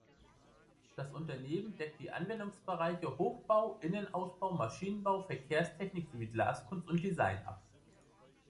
Das Unternehmen deckt die Anwendungsbereiche Hochbau, Innenausbau, Maschinenbau, Verkehrstechnik sowie Glaskunst und -design ab.